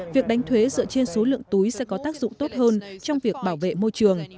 việc đánh thuế dựa trên số lượng túi sẽ có tác dụng tốt hơn trong việc bảo vệ môi trường